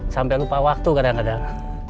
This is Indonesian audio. sampai lupa waktu kadang kadang